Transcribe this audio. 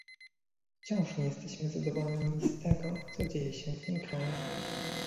Wciąż nie jesteśmy zadowoleni z tego, co dzieje się w tym kraju